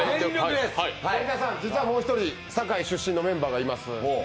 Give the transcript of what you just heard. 実はもう１人、堺出身のメンバーがいます